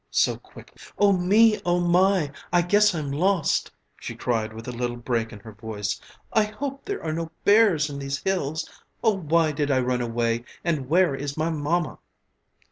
so quickly. "Oh me, oh my, I guess I'm lost!" she cried with a little break in her voice. "I hope there are no bears in these hills. Oh, why did I run away, and where is my mamma?"